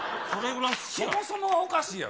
そもそもおかしいやろ。